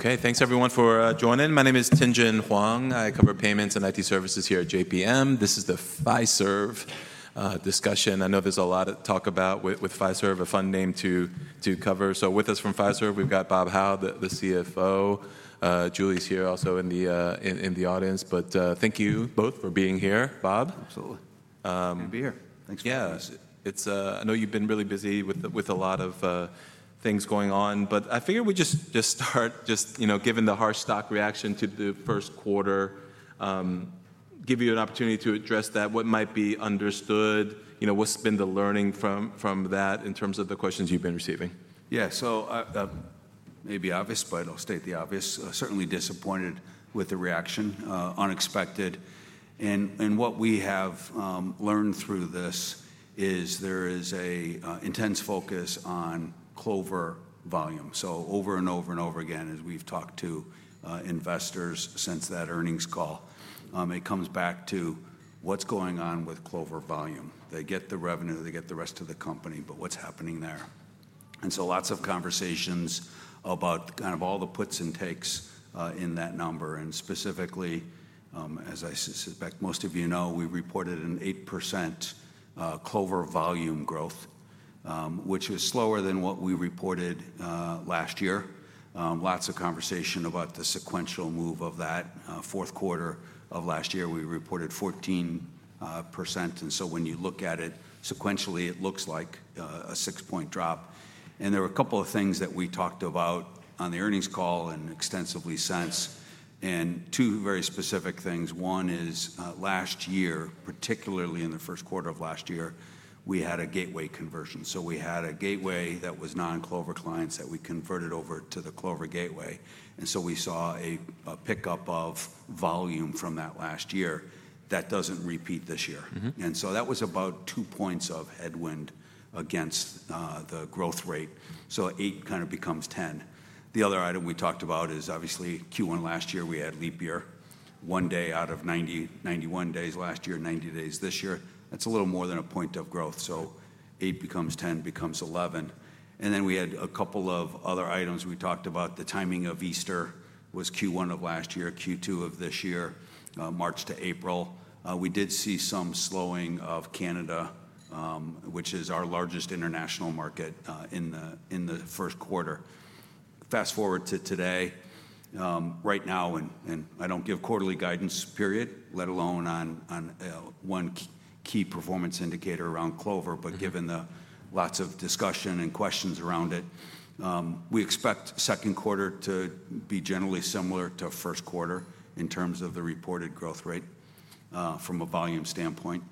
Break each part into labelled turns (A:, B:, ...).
A: Okay, thanks everyone for joining. My name is Tien-Tsin Huang. I cover payments and IT services here at JPMorgan. This is the Fiserv discussion. I know there's a lot to talk about with Fiserv, a fun name to cover. With us from Fiserv, we've got Bob Hau, the CFO. Julie's here also in the audience. Thank you both for being here, Bob.
B: Absolutely. Good to be here. Thanks for having us.
A: Yeah. I know you've been really busy with a lot of things going on. I figured we just start, just given the harsh stock reaction to the first quarter, give you an opportunity to address that. What might be understood? What's been the learning from that in terms of the questions you've been receiving?
B: Yeah, so maybe obvious, but I'll state the obvious. Certainly disappointed with the reaction, unexpected. And what we have learned through this is there is an intense focus on Clover volume. So over and over and over again, as we've talked to investors since that earnings call, it comes back to what's going on with Clover volume. They get the revenue, they get the rest of the company, but what's happening there? And so lots of conversations about kind of all the puts and takes in that number. And specifically, as I suspect most of you know, we reported an 8% Clover volume growth, which is slower than what we reported last year. Lots of conversation about the sequential move of that. Fourth quarter of last year, we reported 14%. And so when you look at it sequentially, it looks like a six-point drop. There were a couple of things that we talked about on the earnings call and extensively since. Two very specific things. One is last year, particularly in the first quarter of last year, we had a gateway conversion. We had a gateway that was non-Clover clients that we converted over to the Clover gateway. We saw a pickup of volume from that last year that does not repeat this year. That was about two points of headwind against the growth rate. Eight kind of becomes ten. The other item we talked about is obviously Q1 last year, we had leap year. One day out of 91 days last year, 90 days this year. That is a little more than a point of growth. Eight becomes ten becomes eleven. We had a couple of other items we talked about. The timing of Easter was Q1 of last year, Q2 of this year, March to April. We did see some slowing of Canada, which is our largest international market in the first quarter. Fast forward to today. Right now, and I don't give quarterly guidance, period, let alone on one key performance indicator around Clover, but given lots of discussion and questions around it, we expect second quarter to be generally similar to first quarter in terms of the reported growth rate from a volume standpoint.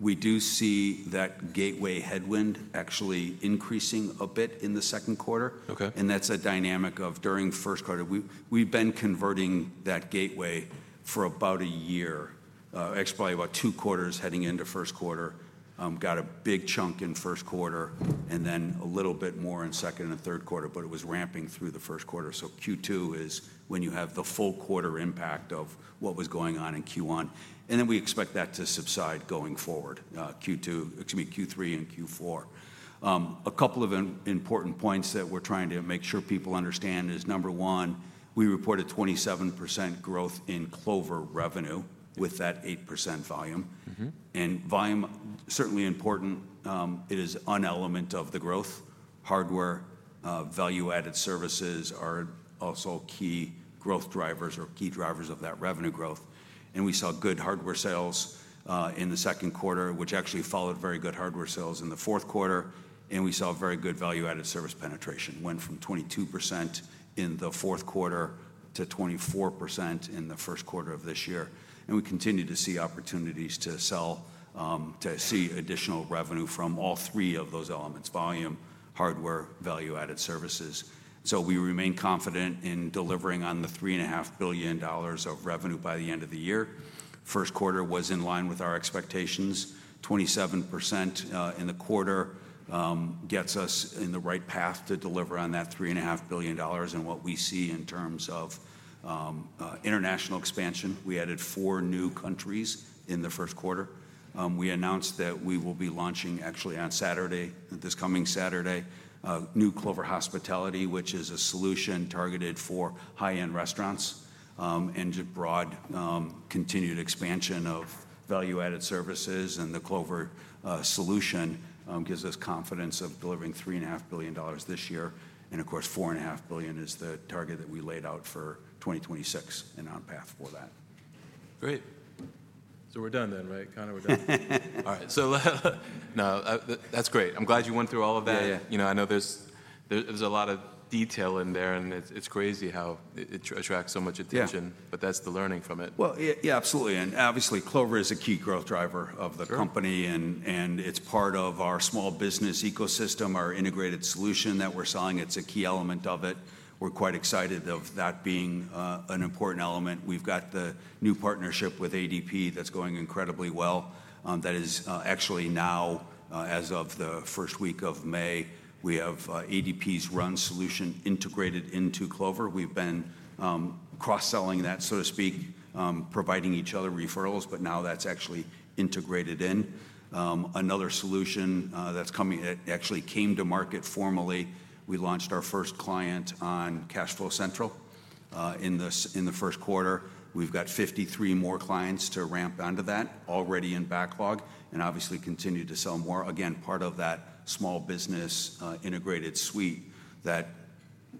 B: We do see that gateway headwind actually increasing a bit in the second quarter. That's a dynamic of during first quarter. We've been converting that gateway for about a year, actually probably about two quarters heading into first quarter. Got a big chunk in first quarter and then a little bit more in second and third quarter, but it was ramping through the first quarter. Q2 is when you have the full quarter impact of what was going on in Q1. We expect that to subside going forward, Q2, excuse me, Q3 and Q4. A couple of important points that we're trying to make sure people understand is number one, we reported 27% growth in Clover revenue with that 8% volume. Volume, certainly important, it is an element of the growth. Hardware, value-added services are also key growth drivers or key drivers of that revenue growth. We saw good hardware sales in the second quarter, which actually followed very good hardware sales in the fourth quarter. We saw very good value-added service penetration. Went from 22% in the fourth quarter to 24% in the first quarter of this year. We continue to see opportunities to sell, to see additional revenue from all three of those elements: volume, hardware, value-added services. We remain confident in delivering on the $3.5 billion of revenue by the end of the year. First quarter was in line with our expectations. 27% in the quarter gets us on the right path to deliver on that $3.5 billion and what we see in terms of international expansion. We added four new countries in the first quarter. We announced that we will be launching actually on Saturday, this coming Saturday, new Clover Hospitality, which is a solution targeted for high-end restaurants and broad continued expansion of value-added services. The Clover solution gives us confidence of delivering $3.5 billion this year. Of course, $4.5 billion is the target that we laid out for 2026 and on path for that.
A: Great. So we're done then, right? Kind of we're done. All right. That is great. I'm glad you went through all of that. I know there's a lot of detail in there and it's crazy how it attracts so much attention, but that's the learning from it.
B: Absolutely. Obviously, Clover is a key growth driver of the company and it is part of our small business ecosystem, our integrated solution that we are selling. It is a key element of it. We are quite excited about that being an important element. We have got the new partnership with ADP that is going incredibly well. That is actually now, as of the first week of May, we have ADP's RUN solution integrated into Clover. We have been cross-selling that, so to speak, providing each other referrals, but now that is actually integrated in. Another solution that is coming that actually came to market formally, we launched our first client on CashFlow Central in the first quarter. We have got 53 more clients to ramp onto that already in backlog and obviously continue to sell more. Again, part of that small business integrated suite that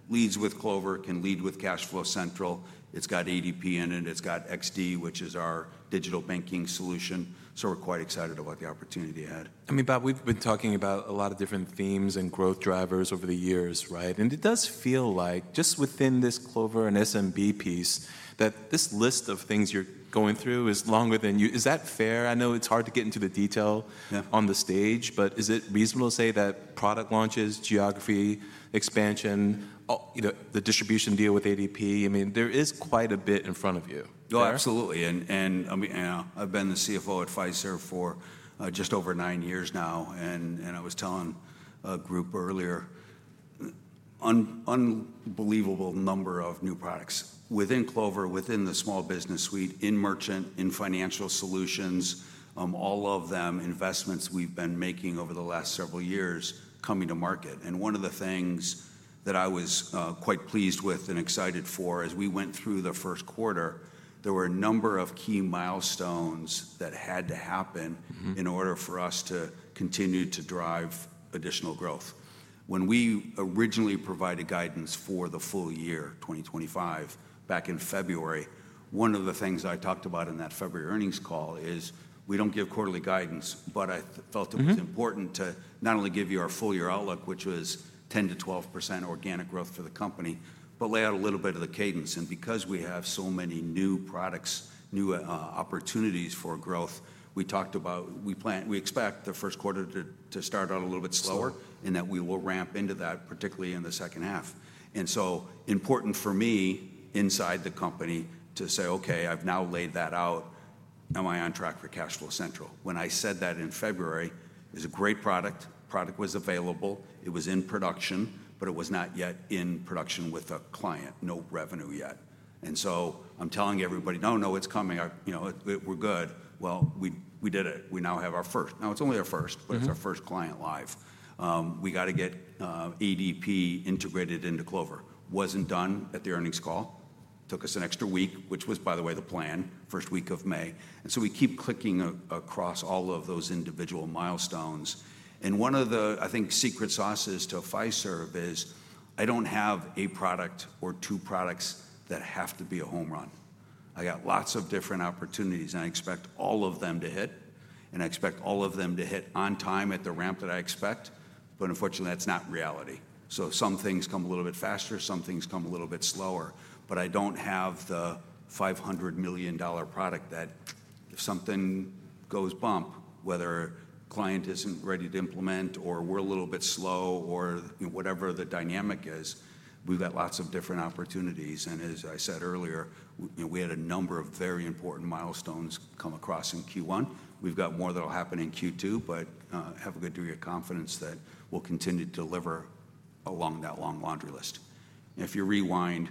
B: leads with Clover, can lead with CashFlow Central. It's got ADP in it. It's got XD, which is our digital banking solution. So we're quite excited about the opportunity ahead.
A: I mean, Bob, we've been talking about a lot of different themes and growth drivers over the years, right? It does feel like just within this Clover and SMB piece that this list of things you're going through is longer than you. Is that fair? I know it's hard to get into the detail on the stage, but is it reasonable to say that product launches, geography, expansion, the distribution deal with ADP, I mean, there is quite a bit in front of you.
B: Oh, absolutely. I've been the CFO at Fiserv for just over nine years now. I was telling a group earlier, unbelievable number of new products within Clover, within the small business suite, in merchant, in financial solutions, all of them investments we've been making over the last several years coming to market. One of the things that I was quite pleased with and excited for as we went through the first quarter, there were a number of key milestones that had to happen in order for us to continue to drive additional growth. When we originally provided guidance for the full year, 2025, back in February, one of the things I talked about in that February earnings call is we do not give quarterly guidance, but I felt it was important to not only give you our full year outlook, which was 10%-12% organic growth for the company, but lay out a little bit of the cadence. Because we have so many new products, new opportunities for growth, we talked about we expect the first quarter to start out a little bit slower and that we will ramp into that, particularly in the second half. It is important for me inside the company to say, okay, I have now laid that out. Am I on track for CashFlow Central? When I said that in February, it was a great product. Product was available. It was in production, but it was not yet in production with a client. No revenue yet. I am telling everybody, no, no, it is coming. We are good. We did it. We now have our first. Now it is only our first, but it is our first client live. We got to get ADP integrated into Clover. It was not done at the earnings call. It took us an extra week, which was, by the way, the plan, first week of May. We keep clicking across all of those individual milestones. One of the, I think, secret sauces to Fiserv is I do not have a product or two products that have to be a home run. I have lots of different opportunities and I expect all of them to hit. I expect all of them to hit on time at the ramp that I expect. Unfortunately, that is not reality. Some things come a little bit faster, some things come a little bit slower. I do not have the $500 million product that if something goes bump, whether a client is not ready to implement or we are a little bit slow or whatever the dynamic is, we have got lots of different opportunities. As I said earlier, we had a number of very important milestones come across in Q1. We have got more that will happen in Q2, but have a good degree of confidence that we will continue to deliver along that long laundry list. If you rewind,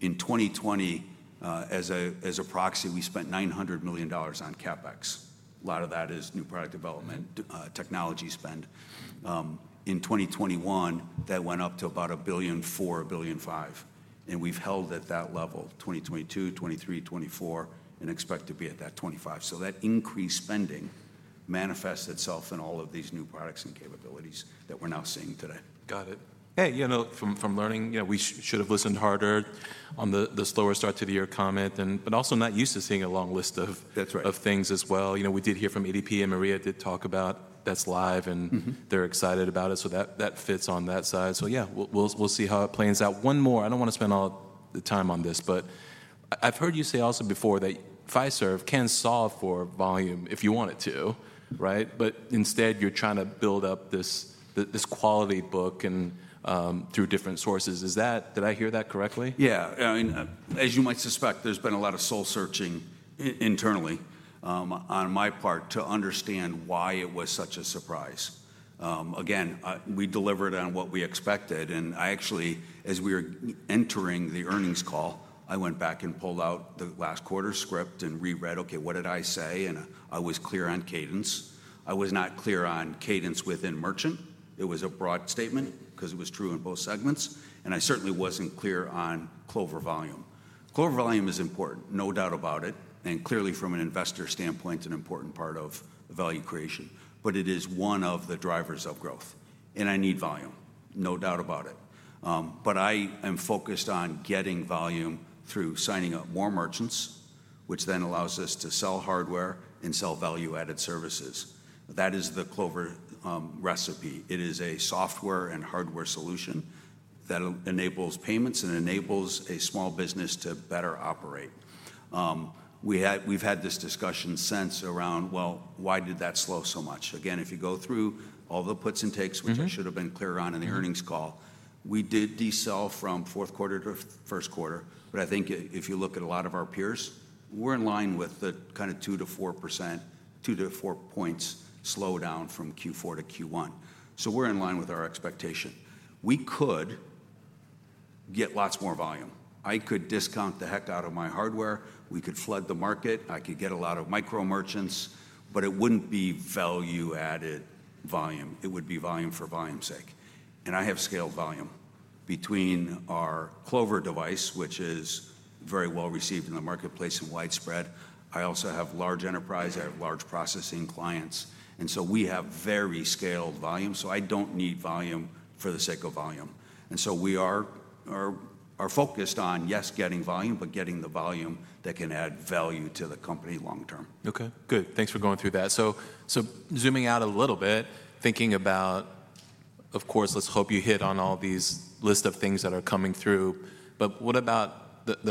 B: in 2020, as a proxy, we spent $900 million on CapEx. A lot of that is new product development, technology spend. In 2021, that went up to about $1.4 billion-$1.5 billion. We have held at that level, 2022, 2023, 2024, and expect to be at that 25. That increased spending manifests itself in all of these new products and capabilities that we're now seeing today.
A: Got it. Hey, you know, from learning, we should have listened harder on the slower start to the year comment, but also not used to seeing a long list of things as well. We did hear from ADP and Maria did talk about that's live and they're excited about it. That fits on that side. Yeah, we'll see how it plays out. One more, I don't want to spend all the time on this, but I've heard you say also before that Fiserv can solve for volume if you want it to, right? Instead, you're trying to build up this quality book through different sources. Did I hear that correctly?
B: Yeah. I mean, as you might suspect, there's been a lot of soul searching internally on my part to understand why it was such a surprise. Again, we delivered on what we expected. I actually, as we were entering the earnings call, went back and pulled out the last quarter script and reread, okay, what did I say? I was clear on cadence. I was not clear on cadence within Merchant. It was a broad statement because it was true in both segments. I certainly was not clear on Clover volume. Clover volume is important, no doubt about it. Clearly, from an investor standpoint, an important part of value creation. It is one of the drivers of growth. I need volume, no doubt about it. I am focused on getting volume through signing up more merchants, which then allows us to sell hardware and sell value-added services. That is the Clover recipe. It is a software and hardware solution that enables payments and enables a small business to better operate. We've had this discussion since around, well, why did that slow so much? Again, if you go through all the puts and takes, which I should have been clear on in the earnings call, we did decel from fourth quarter to first quarter. I think if you look at a lot of our peers, we're in line with the kind of 2-4%, 2-4 points slowdown from Q4 to Q1. We're in line with our expectation. We could get lots more volume. I could discount the heck out of my hardware. We could flood the market. I could get a lot of micro merchants, but it would not be value-added volume. It would be volume for volume's sake. I have scaled volume between our Clover device, which is very well received in the marketplace and widespread. I also have large enterprise. I have large processing clients. We have very scaled volume. I do not need volume for the sake of volume. We are focused on, yes, getting volume, but getting the volume that can add value to the company long term.
A: Okay. Good. Thanks for going through that. Zooming out a little bit, thinking about, of course, let's hope you hit on all these list of things that are coming through, but what about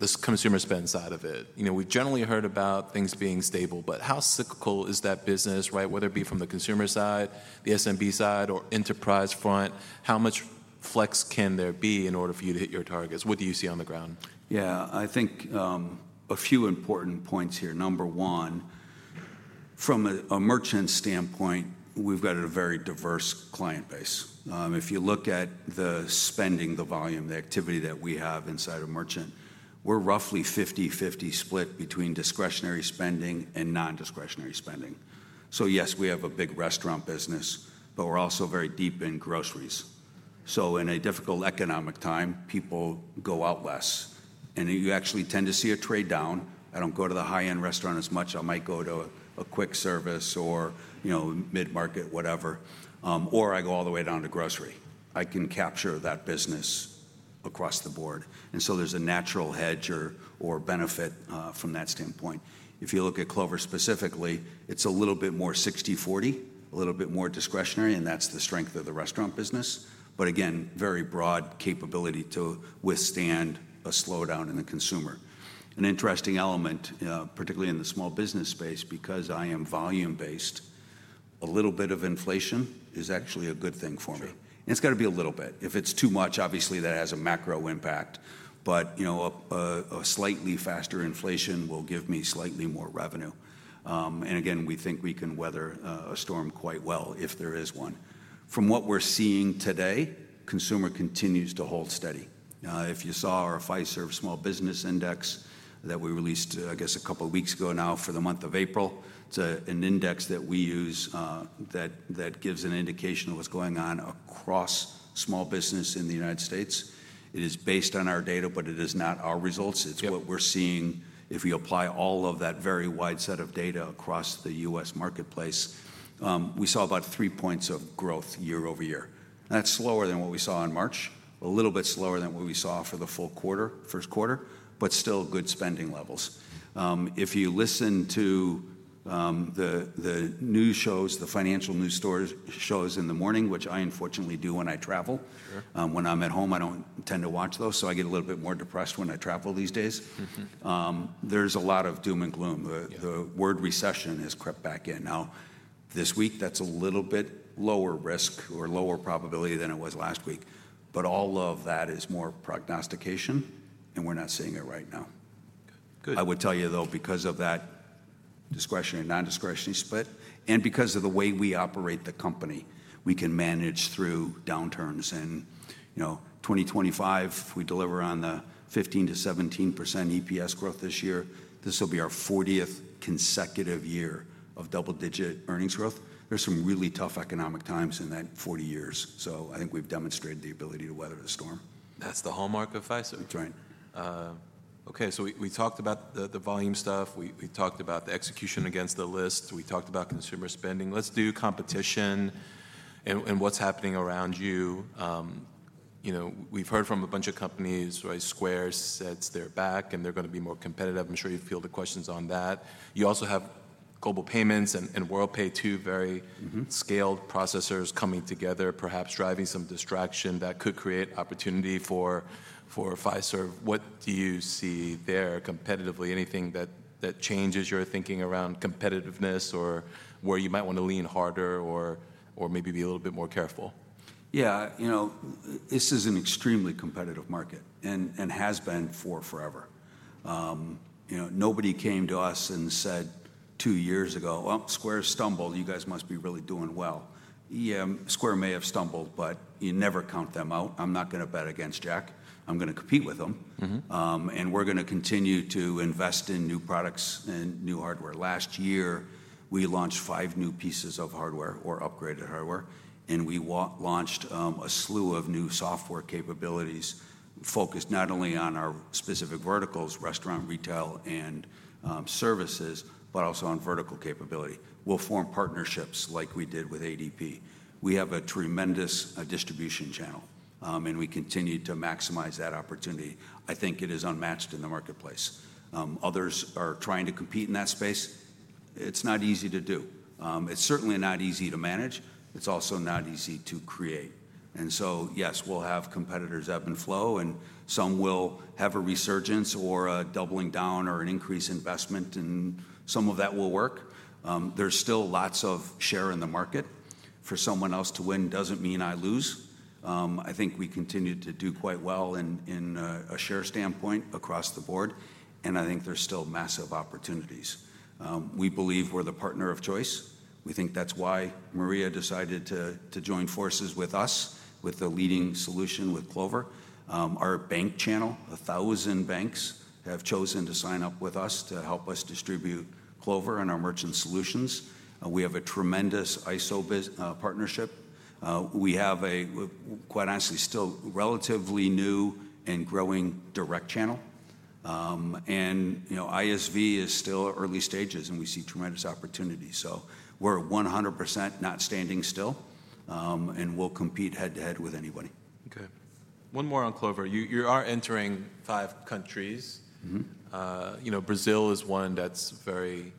A: the consumer spend side of it? We've generally heard about things being stable, but how cyclical is that business, right? Whether it be from the consumer side, the SMB side, or enterprise front, how much flex can there be in order for you to hit your targets? What do you see on the ground?
B: Yeah, I think a few important points here. Number one, from a merchant standpoint, we've got a very diverse client base. If you look at the spending, the volume, the activity that we have inside of merchant, we're roughly 50-50 split between discretionary spending and non-discretionary spending. Yes, we have a big restaurant business, but we're also very deep in groceries. In a difficult economic time, people go out less. You actually tend to see a trade down. I don't go to the high-end restaurant as much. I might go to a quick service or mid-market, whatever. I go all the way down to grocery. I can capture that business across the board. There's a natural hedge or benefit from that standpoint. If you look at Clover specifically, it's a little bit more 60-40, a little bit more discretionary, and that's the strength of the restaurant business. Again, very broad capability to withstand a slowdown in the consumer. An interesting element, particularly in the small business space, because I am volume-based, a little bit of inflation is actually a good thing for me. It's got to be a little bit. If it's too much, obviously that has a macro impact, but a slightly faster inflation will give me slightly more revenue. Again, we think we can weather a storm quite well if there is one. From what we're seeing today, consumer continues to hold steady. If you saw our Fiserv Small Business Index that we released, I guess, a couple of weeks ago now for the month of April, it's an index that we use that gives an indication of what's going on across small business in the U.S. It is based on our data, but it is not our results. It's what we're seeing if we apply all of that very wide set of data across the U.S. marketplace. We saw about three percentage points of growth year-over-year. That's slower than what we saw in March, a little bit slower than what we saw for the full quarter, first quarter, but still good spending levels. If you listen to the news shows, the financial news shows in the morning, which I unfortunately do when I travel, when I'm at home, I don't tend to watch those. I get a little bit more depressed when I travel these days. There is a lot of doom and gloom. The word recession has crept back in. Now, this week, that is a little bit lower risk or lower probability than it was last week. All of that is more prognostication, and we are not seeing it right now. I would tell you though, because of that discretionary and non-discretionary split, and because of the way we operate the company, we can manage through downturns. In 2025, we deliver on the 15%-17% EPS growth this year. This will be our 40th consecutive year of double-digit earnings growth. There have been some really tough economic times in that 40 years. I think we have demonstrated the ability to weather the storm.
A: That's the hallmark of Fiserv. Okay, so we talked about the volume stuff. We talked about the execution against the list. We talked about consumer spending. Let's do competition and what's happening around you. We've heard from a bunch of companies, Square says they're back, and they're going to be more competitive. I'm sure you feel the questions on that. You also have Global Payments and Worldpay, two very scaled processors coming together, perhaps driving some distraction that could create opportunity for Fiserv. What do you see there competitively? Anything that changes your thinking around competitiveness or where you might want to lean harder or maybe be a little bit more careful?
B: Yeah, you know, this is an extremely competitive market and has been for forever. Nobody came to us and said two years ago, well, Square stumbled, you guys must be really doing well. Yeah, Square may have stumbled, but you never count them out. I'm not going to bet against Jack. I'm going to compete with them. And we're going to continue to invest in new products and new hardware. Last year, we launched five new pieces of hardware or upgraded hardware. And we launched a slew of new software capabilities focused not only on our specific verticals, restaurant, retail, and services, but also on vertical capability. We'll form partnerships like we did with ADP. We have a tremendous distribution channel, and we continue to maximize that opportunity. I think it is unmatched in the marketplace. Others are trying to compete in that space. It's not easy to do. It's certainly not easy to manage. It's also not easy to create. Yes, we'll have competitors ebb and flow, and some will have a resurgence or a doubling down or an increase in investment, and some of that will work. There's still lots of share in the market. For someone else to win doesn't mean I lose. I think we continue to do quite well in a share standpoint across the board. I think there's still massive opportunities. We believe we're the partner of choice. We think that's why Maria decided to join forces with us, with the leading solution with Clover. Our bank channel, a thousand banks have chosen to sign up with us to help us distribute Clover and our merchant solutions. We have a tremendous ISO partnership. We have a, quite honestly, still relatively new and growing direct channel. ISV is still early stages, and we see tremendous opportunity. We are 100% not standing still, and we'll compete head to head with anybody.
A: Okay. One more on Clover. You are entering five countries. Brazil is one that's very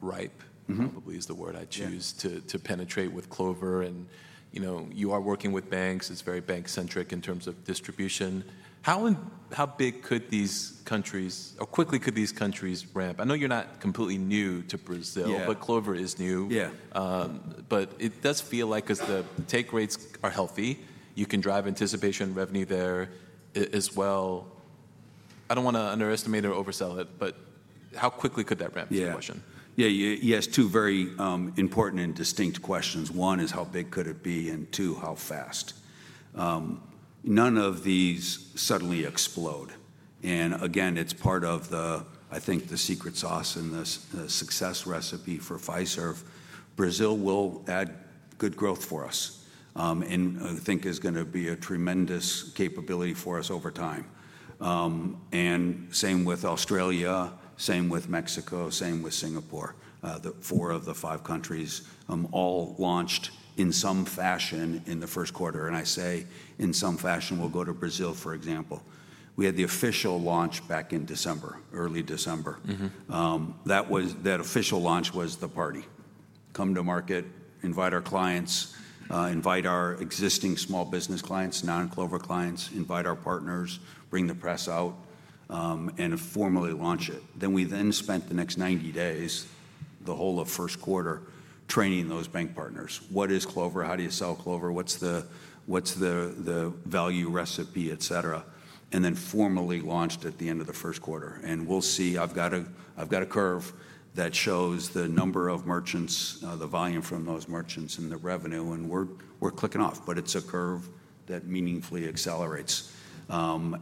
A: ripe, probably is the word I choose to penetrate with Clover. And you are working with banks. It's very bank-centric in terms of distribution. How big could these countries, or quickly could these countries ramp? I know you're not completely new to Brazil, but Clover is new. But it does feel like as the take rates are healthy, you can drive anticipation revenue there as well. I don't want to underestimate or oversell it, but how quickly could that ramp is the question.
B: Yeah, yeah, yes, two very important and distinct questions. One is how big could it be and two, how fast. None of these suddenly explode. I think it is part of the secret sauce and the success recipe for Fiserv. Brazil will add good growth for us and I think is going to be a tremendous capability for us over time. Same with Australia, same with Mexico, same with Singapore. Four of the five countries all launched in some fashion in the first quarter. I say in some fashion, we will go to Brazil, for example. We had the official launch back in December, early December. That official launch was the party. Come to market, invite our clients, invite our existing small business clients, non-Clover clients, invite our partners, bring the press out, and formally launch it. We then spent the next 90 days, the whole of first quarter, training those bank partners. What is Clover? How do you sell Clover? What's the value recipe, etc.? We formally launched at the end of the first quarter. We'll see, I've got a curve that shows the number of merchants, the volume from those merchants and the revenue, and we're clicking off, but it's a curve that meaningfully accelerates.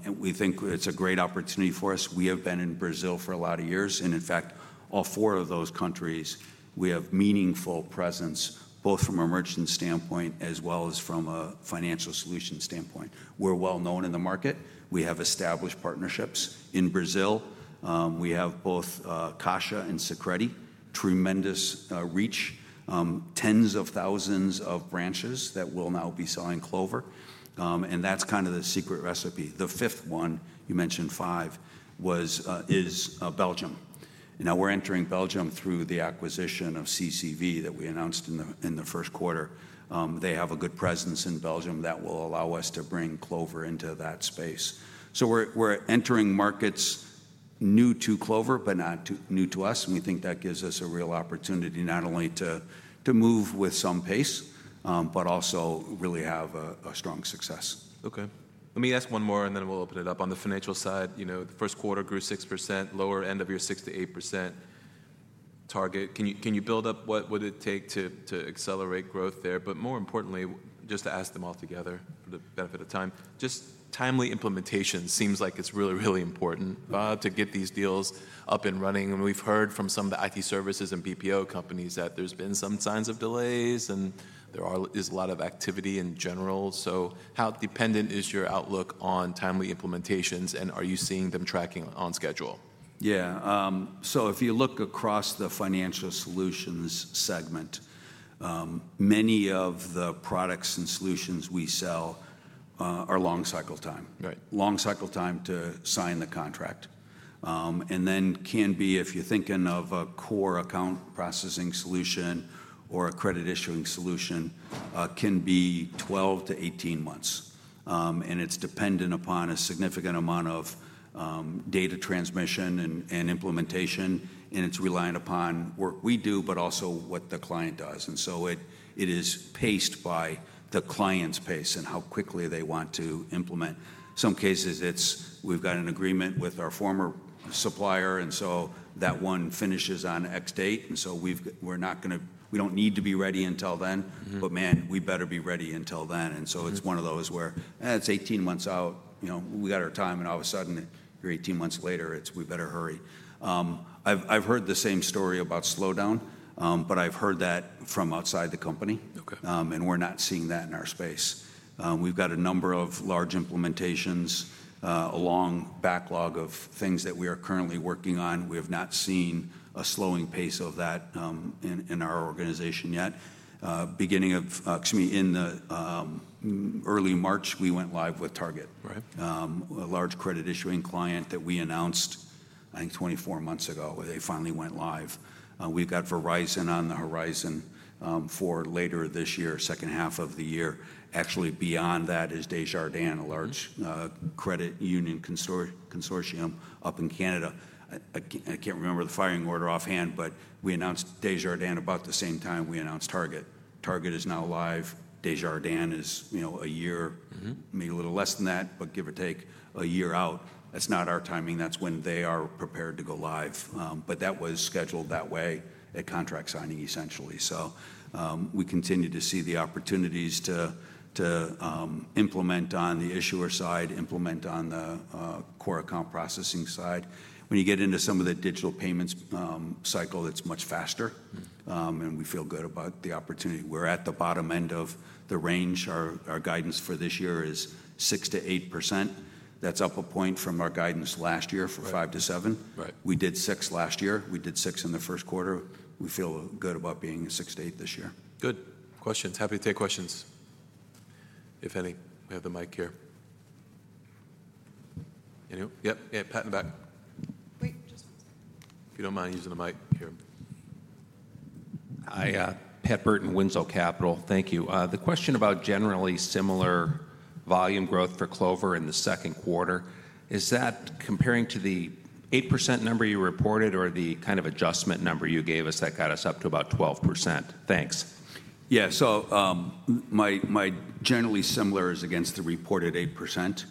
B: We think it's a great opportunity for us. We have been in Brazil for a lot of years. In fact, all four of those countries, we have meaningful presence both from a merchant standpoint as well as from a Financial Solutions standpoint. We're well known in the market. We have established partnerships in Brazil. We have both Caixa and Sicredi, tremendous reach, tens of thousands of branches that will now be selling Clover. That's kind of the secret recipe. The fifth one, you mentioned five, is Belgium. Now we're entering Belgium through the acquisition of CCV that we announced in the first quarter. They have a good presence in Belgium that will allow us to bring Clover into that space. We're entering markets new to Clover, but not new to us. We think that gives us a real opportunity not only to move with some pace, but also really have a strong success.
A: Okay. Let me ask one more and then we'll open it up. On the financial side, the first quarter grew 6%, lower end of your 6-8% target. Can you build up what would it take to accelerate growth there? More importantly, just to ask them all together for the benefit of time, just timely implementation seems like it's really, really important to get these deals up and running. We've heard from some of the IT services and BPO companies that there's been some signs of delays and there is a lot of activity in general. How dependent is your outlook on timely implementations and are you seeing them tracking on schedule?
B: Yeah. If you look across the Financial Solutions segment, many of the products and solutions we sell are long cycle time. Long cycle time to sign the contract. Then, if you're thinking of a core account processing solution or a credit issuing solution, it can be 12-18 months. It is dependent upon a significant amount of data transmission and implementation. It is reliant upon work we do, but also what the client does. It is paced by the client's pace and how quickly they want to implement. In some cases, we've got an agreement with our former supplier, and that one finishes on X date. We are not going to, we do not need to be ready until then, but man, we better be ready until then. It is one of those where it is 18 months out, we got our time and all of a sudden you are 18 months later, we better hurry. I have heard the same story about slowdown, but I have heard that from outside the company. We are not seeing that in our space. We have a number of large implementations, a long backlog of things that we are currently working on. We have not seen a slowing pace of that in our organization yet. In the early March, we went live with Target, a large credit issuing client that we announced, I think, 24 months ago where they finally went live. We have Verizon on the horizon for later this year, second half of the year. Actually, beyond that is Desjardins, a large credit union consortium up in Canada. I can't remember the firing order offhand, but we announced Desjardins about the same time we announced Target. Target is now live. Desjardins is a year, maybe a little less than that, but give or take a year out. That's not our timing. That's when they are prepared to go live. That was scheduled that way at contract signing, essentially. We continue to see the opportunities to implement on the issuer side, implement on the core account processing side. When you get into some of the digital payments cycle, it's much faster. We feel good about the opportunity. We're at the bottom end of the range. Our guidance for this year is 6-8%. That's up a point from our guidance last year for 5-7%. We did 6% last year. We did 6% in the first quarter. We feel good about being 6-8 this year.
A: Good. Questions? Happy to take questions. If any, we have the mic here. Anyone? Yep, yeah, Pat in the back. Wait, just one second. If you don't mind using the mic here. Hi, Pat Burton, Windsell Capital. Thank you. The question about generally similar volume growth for Clover in the second quarter, is that comparing to the 8% number you reported or the kind of adjustment number you gave us that got us up to about 12%? Thanks.
B: Yeah, so my generally similar is against the reported 8%.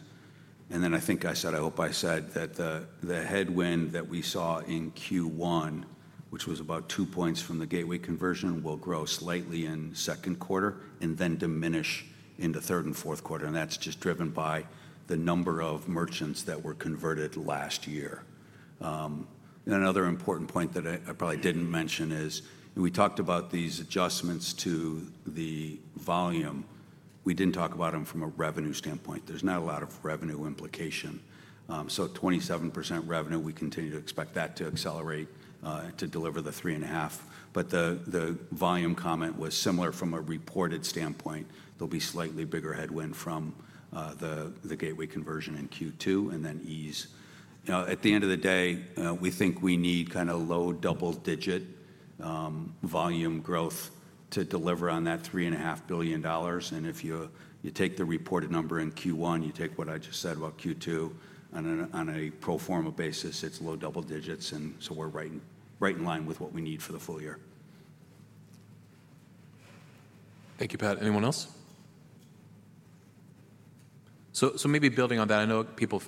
B: I think I said, I hope I said that the headwind that we saw in Q1, which was about two points from the gateway conversion, will grow slightly in second quarter and then diminish in the third and fourth quarter. That is just driven by the number of merchants that were converted last year. Another important point that I probably did not mention is we talked about these adjustments to the volume. We did not talk about them from a revenue standpoint. There is not a lot of revenue implication. So 27% revenue, we continue to expect that to accelerate to deliver the three and a half. The volume comment was similar from a reported standpoint. There will be slightly bigger headwind from the gateway conversion in Q2 and then ease. At the end of the day, we think we need kind of low double-digit volume growth to deliver on that $3.5 billion. If you take the reported number in Q1, you take what I just said about Q2 on a pro forma basis, it is low double digits. We are right in line with what we need for the full year.
A: Thank you, Pat. Anyone else? Maybe building on that, I know people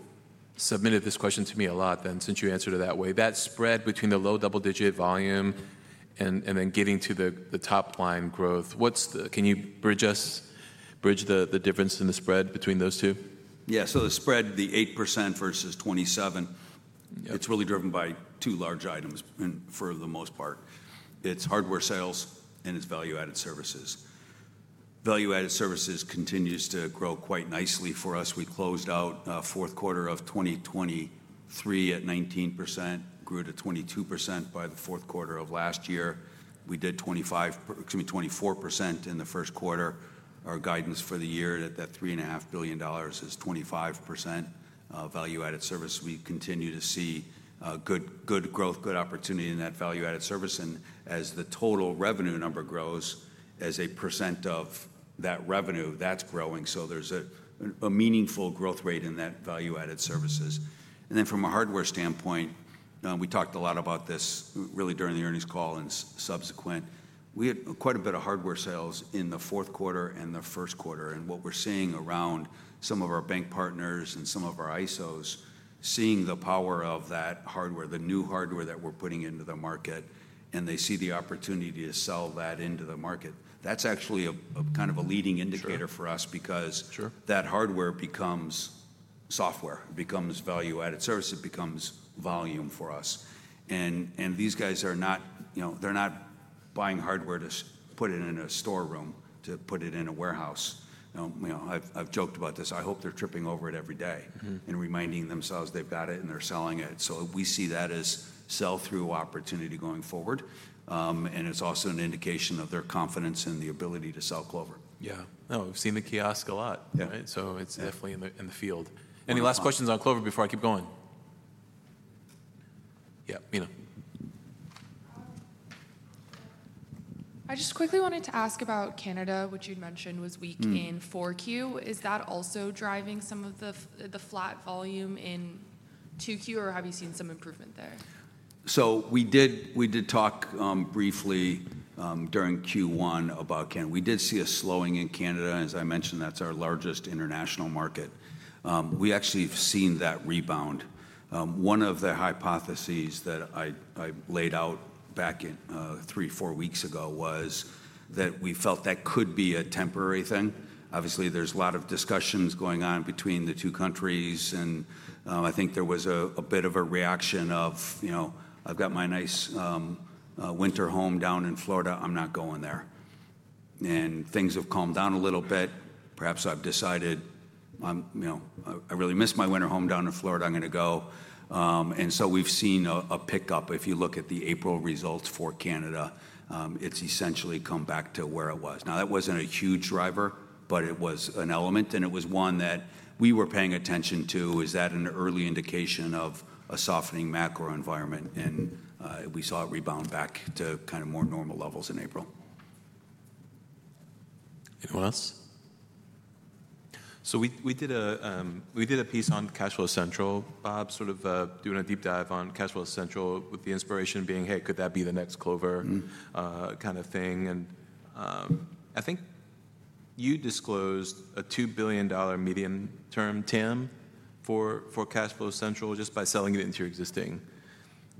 A: submitted this question to me a lot then since you answered it that way. That spread between the low double-digit volume and then getting to the top line growth, can you bridge us, bridge the difference in the spread between those two?
B: Yeah, so the spread, the 8% versus 27%, it's really driven by two large items for the most part. It's hardware sales and it's value-added services. Value-added services continues to grow quite nicely for us. We closed out fourth quarter of 2023 at 19%, grew to 22% by the fourth quarter of last year. We did 25%, excuse me, 24% in the first quarter. Our guidance for the year at that $3.5 billion is 25% value-added service. We continue to see good growth, good opportunity in that value-added service. As the total revenue number grows, as a percent of that revenue, that's growing. There's a meaningful growth rate in that value-added services. From a hardware standpoint, we talked a lot about this really during the earnings call and subsequent. We had quite a bit of hardware sales in the fourth quarter and the first quarter. What we're seeing around some of our bank partners and some of our ISOs, seeing the power of that hardware, the new hardware that we're putting into the market, and they see the opportunity to sell that into the market. That's actually a kind of a leading indicator for us because that hardware becomes software, becomes value-added service, it becomes volume for us. These guys are not, they're not buying hardware to put it in a storeroom, to put it in a warehouse. I've joked about this. I hope they're tripping over it every day and reminding themselves they've got it and they're selling it. We see that as sell-through opportunity going forward. It's also an indication of their confidence in the ability to sell Clover.
A: Yeah. No, we've seen the kiosk a lot, right? So it's definitely in the field. Any last questions on Clover before I keep going? Yeah, Mina. I just quickly wanted to ask about Canada, which you'd mentioned was weak in 4Q. Is that also driving some of the flat volume in 2Q or have you seen some improvement there?
B: We did talk briefly during Q1 about Canada. We did see a slowing in Canada. As I mentioned, that's our largest international market. We actually have seen that rebound. One of the hypotheses that I laid out back three, four weeks ago was that we felt that could be a temporary thing. Obviously, there's a lot of discussions going on between the two countries. I think there was a bit of a reaction of, "I've got my nice winter home down in Florida. I'm not going there." Things have calmed down a little bit. Perhaps I've decided, "I really miss my winter home down in Florida. I'm going to go." We have seen a pickup. If you look at the April results for Canada, it has essentially come back to where it was. That was not a huge driver, but it was an element. It was one that we were paying attention to. Is that an early indication of a softening macro environment? We saw it rebound back to kind of more normal levels in April.
A: Anyone else? We did a piece on Cashflow Central, Bob, sort of doing a deep dive on Cashflow Central with the inspiration being, "Hey, could that be the next Clover kind of thing?" I think you disclosed a $2 billion median term, TAM, for Cashflow Central just by selling it into your existing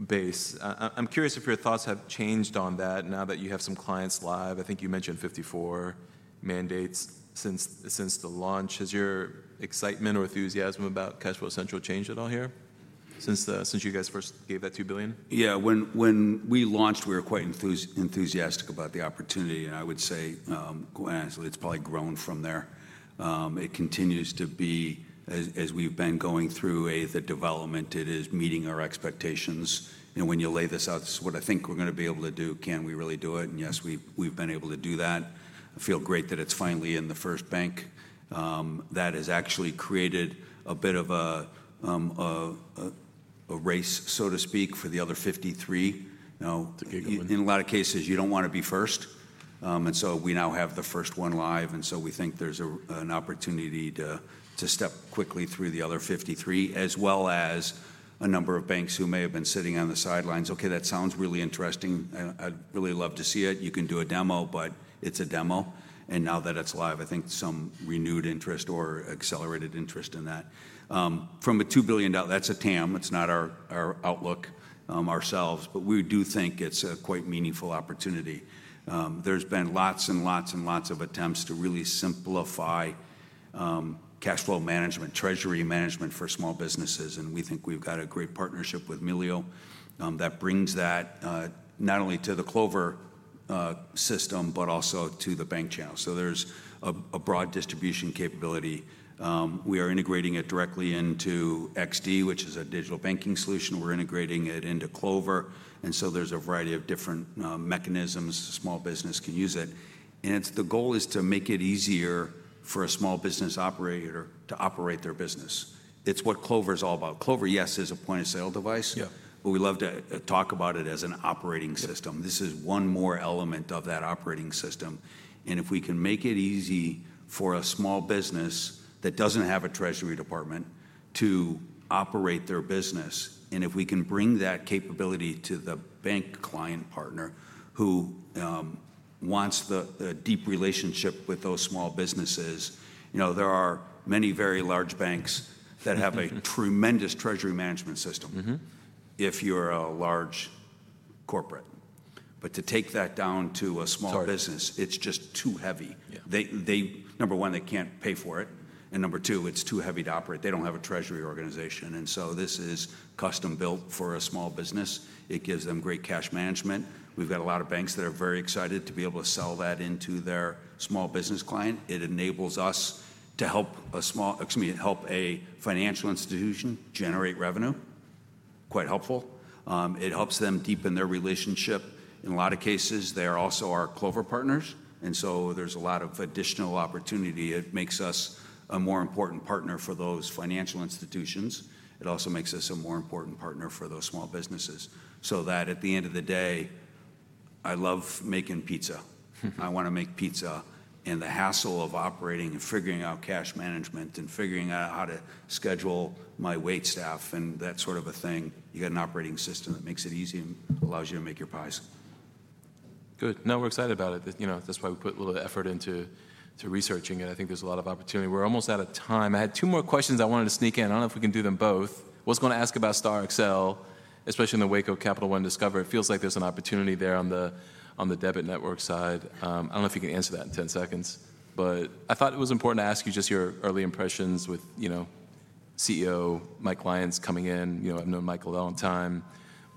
A: base. I'm curious if your thoughts have changed on that now that you have some clients live. I think you mentioned 54 mandates since the launch. Has your excitement or enthusiasm about Cashflow Central changed at all here since you guys first gave that $2 billion?
B: Yeah. When we launched, we were quite enthusiastic about the opportunity. I would say, quite honestly, it's probably grown from there. It continues to be, as we've been going through, the development. It is meeting our expectations. When you lay this out, this is what I think we're going to be able to do. Can we really do it? Yes, we've been able to do that. I feel great that it's finally in the first bank. That has actually created a bit of a race, so to speak, for the other 53. In a lot of cases, you don't want to be first. We now have the first one live. We think there's an opportunity to step quickly through the other 53, as well as a number of banks who may have been sitting on the sidelines. Okay, that sounds really interesting. I'd really love to see it. You can do a demo, but it's a demo. Now that it's live, I think some renewed interest or accelerated interest in that. From a $2 billion, that's a TAM. It's not our outlook ourselves, but we do think it's a quite meaningful opportunity. There's been lots and lots and lots of attempts to really simplify cash flow management, treasury management for small businesses. We think we've got a great partnership with Melio that brings that not only to the Clover system, but also to the bank channel. There's a broad distribution capability. We are integrating it directly into XD, which is a digital banking solution. We're integrating it into Clover. There's a variety of different mechanisms a small business can use it. The goal is to make it easier for a small business operator to operate their business. It's what Clover is all about. Clover, yes, is a point of sale device, but we love to talk about it as an operating system. This is one more element of that operating system. If we can make it easy for a small business that doesn't have a treasury department to operate their business, and if we can bring that capability to the bank client partner who wants the deep relationship with those small businesses, there are many very large banks that have a tremendous treasury management system if you're a large corporate. To take that down to a small business, it's just too heavy. Number one, they can't pay for it. Number two, it's too heavy to operate. They don't have a treasury organization. This is custom built for a small business. It gives them great cash management. We've got a lot of banks that are very excited to be able to sell that into their small business client. It enables us to help a small, excuse me, help a financial institution generate revenue. Quite helpful. It helps them deepen their relationship. In a lot of cases, they are also our Clover partners. There is a lot of additional opportunity. It makes us a more important partner for those financial institutions. It also makes us a more important partner for those small businesses. At the end of the day, I love making pizza. I want to make pizza. The hassle of operating and figuring out cash management and figuring out how to schedule my wait staff and that sort of a thing, you got an operating system that makes it easy and allows you to make your pies.
A: Good. No, we're excited about it. That's why we put a little effort into researching it. I think there's a lot of opportunity. We're almost out of time. I had two more questions I wanted to sneak in. I don't know if we can do them both. I was going to ask about StarXL, especially in the Waco Capital One Discover. It feels like there's an opportunity there on the debit network side. I don't know if you can answer that in 10 seconds, but I thought it was important to ask you just your early impressions with CEO, my clients coming in. I've known Michael a long time.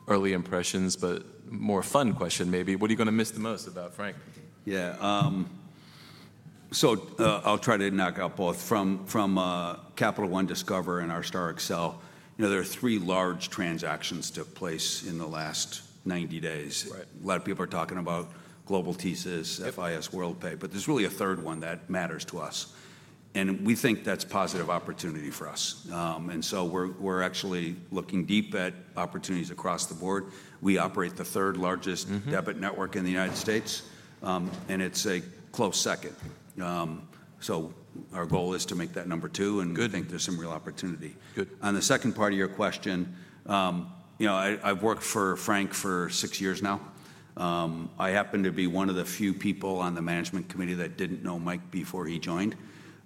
A: Early impressions, but more fun question maybe. What are you going to miss the most about, Frank?
B: Yeah. I'll try to knock out both. From Capital One, Discover, and our StarXL, there are three large transactions took place in the last 90 days. A lot of people are talking about Global, FIS, Worldpay, but there's really a third one that matters to us. We think that's a positive opportunity for us. We're actually looking deep at opportunities across the board. We operate the third largest debit network in the United States, and it's a close second. Our goal is to make that number two and we think there's some real opportunity. On the second part of your question, I've worked for Frank for six years now. I happen to be one of the few people on the management committee that didn't know Mike before he joined.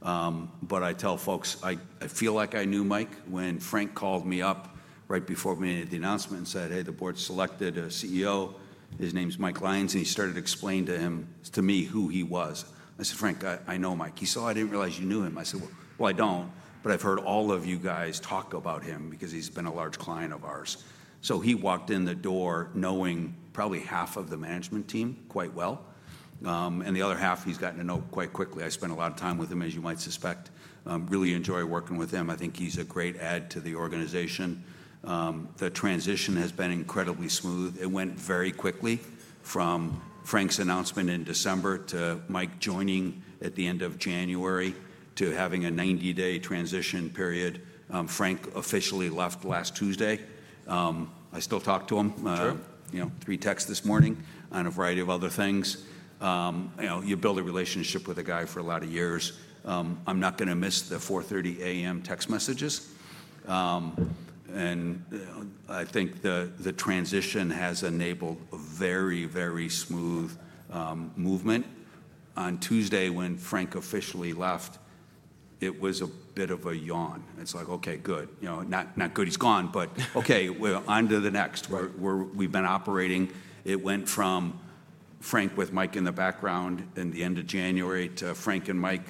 B: I tell folks, I feel like I knew Mike when Frank called me up right before we made the announcement and said, "Hey, the board selected a CEO. His name's Mike Lyons." He started explaining to me who he was. I said, "Frank, I know Mike." He said, "Oh, I didn't realize you knew him." I said, "Well, I don't, but I've heard all of you guys talk about him because he's been a large client of ours." He walked in the door knowing probably half of the management team quite well. The other half, he's gotten to know quite quickly. I spent a lot of time with him, as you might suspect. Really enjoy working with him. I think he's a great add to the organization. The transition has been incredibly smooth. It went very quickly from Frank's announcement in December to Mike joining at the end of January to having a 90-day transition period. Frank officially left last Tuesday. I still talk to him. Three texts this morning on a variety of other things. You build a relationship with a guy for a lot of years. I'm not going to miss the 4:30 A.M. text messages. I think the transition has enabled a very, very smooth movement. On Tuesday, when Frank officially left, it was a bit of a yawn. It's like, "Okay, good. Not good he's gone, but okay, we're on to the next." We've been operating. It went from Frank with Mike in the background in the end of January to Frank and Mike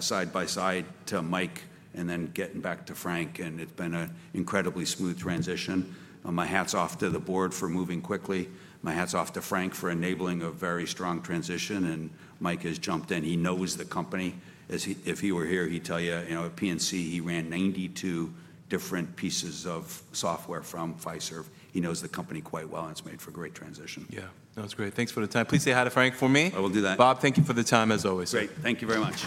B: side by side to Mike and then getting back to Frank. It's been an incredibly smooth transition. My hat's off to the board for moving quickly. My hat's off to Frank for enabling a very strong transition. Mike has jumped in. He knows the company. If he were here, he'd tell you, "P&C, he ran 92 different pieces of software from Fiserv." He knows the company quite well and it's made for a great transition.
A: Yeah. No, that's great. Thanks for the time. Please say hi to Frank for me.
B: I will do that.
A: Bob, thank you for the time as always.
B: Great. Thank you very much.